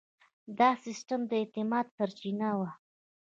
دا سیستم د اعتماد سرچینه وه.